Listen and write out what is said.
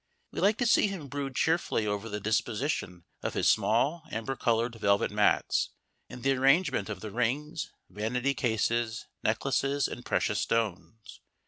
We like to see him brood cheerfully over the disposition of his small amber coloured velvet mats, and the arrangement of the rings, vanity cases, necklaces, and precious stones.